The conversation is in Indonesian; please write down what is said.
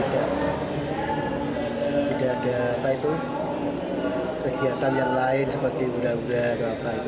tidak ada kegiatan yang lain seperti budak budak